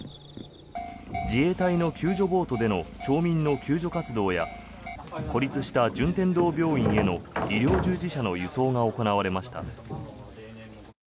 自衛隊の救助ボートでの町民の救助活動や孤立した順天堂病院への医療従事者の輸送が行われました。